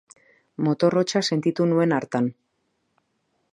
Motor hotsa sentitu nuen hartan.